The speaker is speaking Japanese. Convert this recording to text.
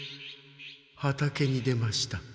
畑に出ました。